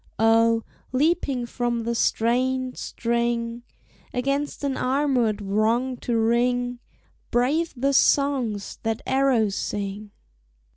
Oh, leaping from the strained string Against an armored Wrong to ring, Brave the songs that arrows sing!